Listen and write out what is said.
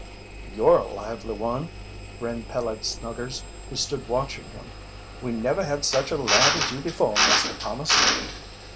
"You're a lively one!" grinned Peleg Snuggers, who stood watching him. "We never had such a lad as you before Master Thomas."